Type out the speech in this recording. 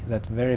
và vì vậy